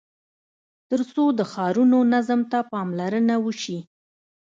تر څو د ښارونو نظم ته پاملرنه وسي.